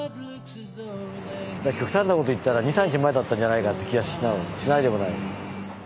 極端な事言ったら２３日前だったんじゃないかって気がしないでもない。